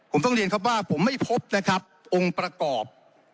ผมต้องเรียนครับว่าผมไม่พบนะครับองค์ประกอบ